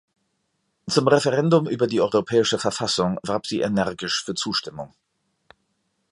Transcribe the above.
Zum Referendum über die Europäische Verfassung warb sie energisch für Zustimmung.